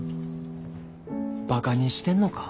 ばかにしてんのか？